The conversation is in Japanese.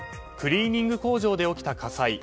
クリーニング工場で起きた火災。